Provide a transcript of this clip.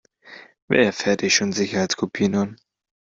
Wer fertigt schon Sicherheitskopien an?